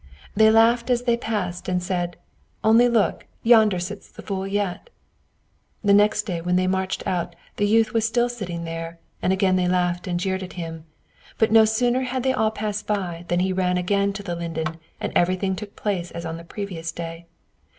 They laughed as they passed, and said, "Only look, yonder sits the fool yet." The next day when they marched out the youth was still sitting there, and they again laughed and jeered at him; but no sooner had they all passed by than he ran again to the linden, and everything took place as on the previous day.